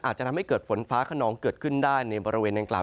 อาจจะทำให้เกิดฝนฟ้าขนองเกิดขึ้นได้ในบริเวณดังกล่า